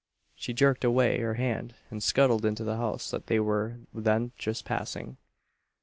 She jerked away her hand and scuttled into the house that they were then just passing.